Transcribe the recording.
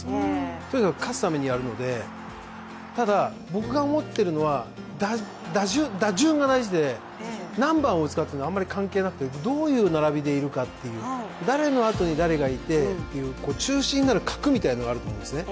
とにかく勝つためにやるので、ただ僕が思っているのは、打順が大事で、何番を打つかというのはあんまり関係なくてどういう並びでいるか、誰のあとに誰がいてという中心になる核みたいなのがあると思うんですね